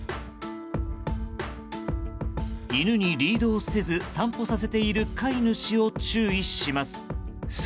犬にリードをせず散歩させている飼い主を注意します。